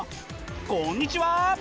こんにちは！